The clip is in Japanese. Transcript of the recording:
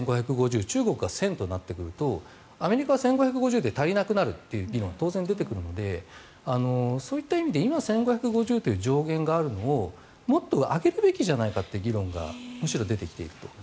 中国が１０００となってくるとアメリカは１５５０で足りなくなるという議論が当然出てくるのでそういった意味で今、１５５０という上限があるのをもっと上げるべきじゃないかという議論がむしろ出てきていると。